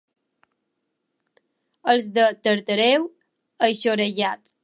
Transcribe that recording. Els de Tartareu, eixorellats.